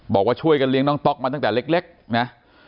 บอกว่าช่วยกันเลี้ยงน้องต๊อกมาตั้งแต่เล็กนะ